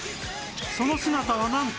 その姿はなんと